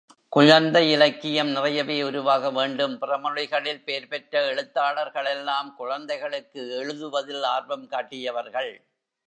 குழந்தை இலக்கியம் நிறையவே உருவாக வேண்டும், பிறமொழிகளில் பேர்பெற்ற எழுத்தாளர்களெல்லாம் குழந்தைகளுக்கு எழுதுவதில் ஆர்வம் காட்டியவர்கள்.